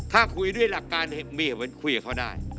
ถ้าคุยด้วยหลักการมีเหมือนคุยกับเขาได้